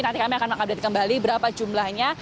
nanti kami akan mengupdate kembali berapa jumlahnya